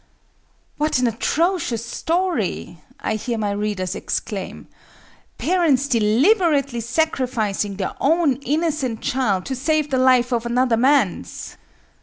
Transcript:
"What an atrocious story!" I hear my readers exclaim,—"Parents deliberately sacrificing their own innocent child to save the life of another man's."